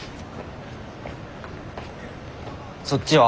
そっちは？